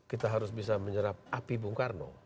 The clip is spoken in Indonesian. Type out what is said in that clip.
kita harus bisa menyerap api bung karno